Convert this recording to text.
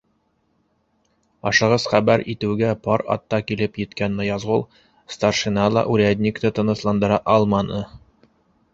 Ашығыс хәбәр итеүгә пар атта килеп еткән Ныязғол старшина ла урядникты тынысландыра алманы.